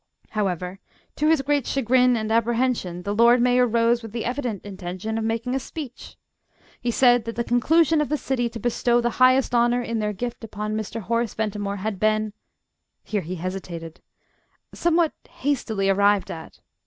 However, to his great chagrin and apprehension, the Lord Mayor rose with the evident intention of making a speech. He said that the conclusion of the City to bestow the highest honour in their gift upon Mr. Horace Ventimore had been here he hesitated somewhat hastily arrived at.